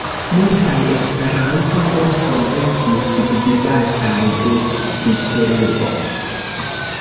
Multaj esperanto-kursoj estis gvidataj de Viterbo.